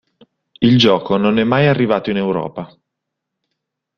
Il gioco non è mai arrivato in Europa.